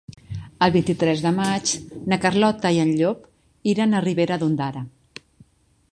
El vint-i-tres de maig na Carlota i en Llop iran a Ribera d'Ondara.